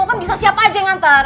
oh kan bisa siapa aja yang ngantar